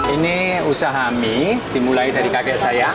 ini usaha mie dimulai dari kakek saya